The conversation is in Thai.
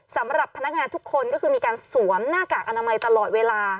สำหรับพนักงานทุกคนก็คือมีการสวมหน้ากากอนามัยตลอดเวลา